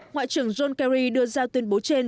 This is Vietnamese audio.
ngoại trưởng john kerry đưa ra tuyên bố trên